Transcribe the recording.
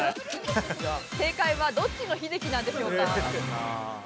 正解はどっちのヒデキなんでしょうか？